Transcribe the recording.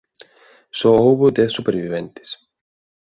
Só houbo dez superviventes.